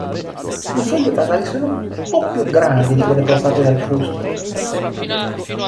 Le foglie basali sono un po' più grandi di quelle portate dal fusto.